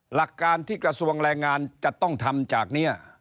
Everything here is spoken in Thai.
หลักการที่กระทรวงแรงงานจะต้องทำจากนี้